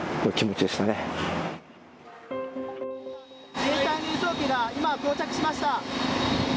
自衛隊の輸送機が今、到着しました。